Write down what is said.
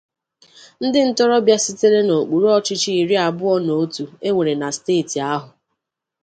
ndị ntorobịa sitere n'okpuru ọchịchị iri abụọ na otu e nwere na steeti ahụ